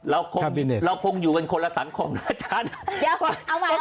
เราคงอยู่เป็นคนละสังคมนะอาจารย์